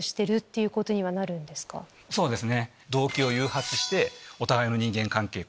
そうですね。